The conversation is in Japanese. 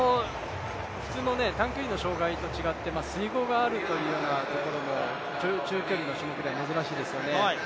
普通の短距離の障害と違って水濠があるというところも長距離の種目では珍しいですよね。